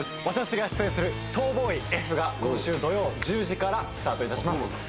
私が出演する『逃亡医Ｆ』が今週土曜１０時からスタートいたします。